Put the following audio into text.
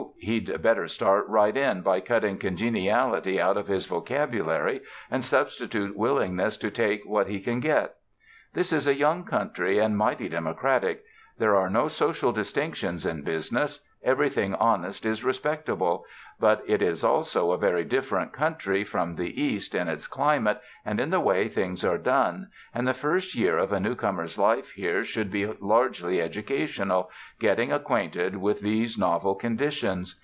He'd better start right in by cutting 'congeniality' out of his vocabulary and substitute willingness to take what he can get. This is a young country and mighty democratic. There are no social distinctions in business; everything honest is respectable; but it is also a very different country from the East in its climate and in the way things are done, and the first year of a new comer's life here should be largely educational, getting acquainted with these novel conditions.